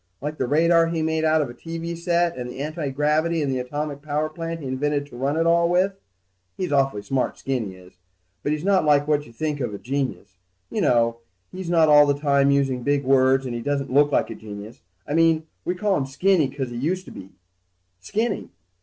Like the radar he made out of a TV set and the antigravity and the atomic power plant he invented to run it all with. He's awful smart, Skinny is, but he's not like what you think of a genius. You know, he's not all the time using big words, and he doesn't look like a genius. I mean, we call him Skinny 'cause he used to be Skinny.